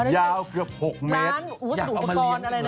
ยาวเกือบ๖เมตร